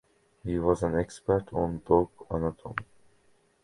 He was an expert on Dog anatomy.